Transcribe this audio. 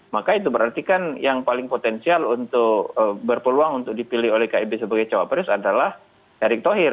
maka itu berarti kan yang paling potensial untuk berpeluang untuk dipilih oleh kib sebagai cawapres adalah erick thohir